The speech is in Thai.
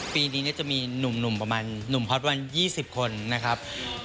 ปีนี้จะมีหนุ่มประมาณหนุ่มฮอตวัน๒๐คนนะครับ